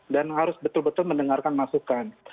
dan harus betul betul mendengarkan masukan